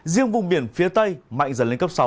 riêng vùng biển phía tây mạnh dần lên cấp sáu